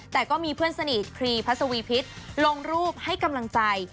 แต่ก็มีเพื่อนสนิทครีพัสวีพิษลงรูปให้กำลังใจ